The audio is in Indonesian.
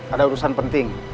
ada urusan penting